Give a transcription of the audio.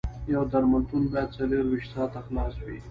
یو درملتون باید څلور ویشت ساعته خلاص وي